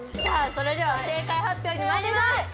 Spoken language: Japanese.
それでは正解発表にまいります